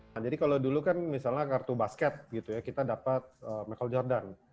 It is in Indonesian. nah jadi kalau dulu kan misalnya kartu basket gitu ya kita dapat michael jordan